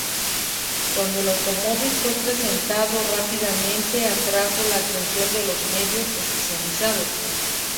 Cuando el automóvil fue presentado, rápidamente atrajo la atención de los medios especializados.